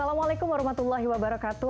assalamualaikum warahmatullahi wabarakatuh